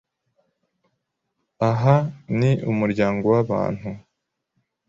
Aha ni umuryango w'abantu